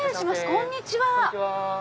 こんにちは。